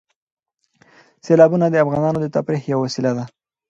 سیلابونه د افغانانو د تفریح یوه وسیله ده.